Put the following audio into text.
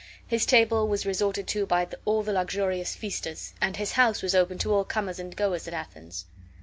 His table was resorted to by all the luxurious feasters, and his house was open to all comers and goers at Athens.